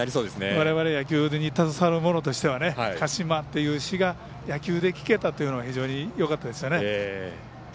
われわれ野球に携わるものとしては鹿嶋っていう市が野球で聞けたというのは非常によかったですよね。